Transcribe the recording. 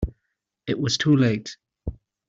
It was too late.